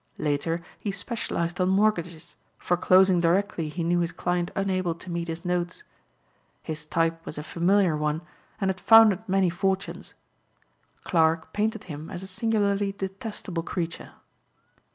Later he specialized on mortgages, foreclosing directly he knew his client unable to meet his notes. His type was a familiar one and had founded many fortunes. Clarke painted him as a singularly detestable creature.